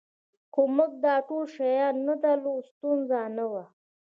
که موږ دا ټول شیان نه درلودل ستونزه نه وه